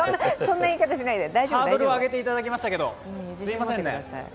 ハードルを上げていただきましたけど。